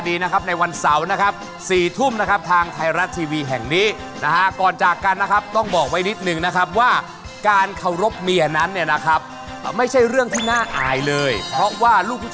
ได้ไปนะครับ๓หมื่นบาท